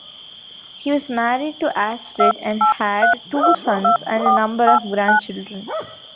He was married to Astrid and had two sons and a number of grandchildren.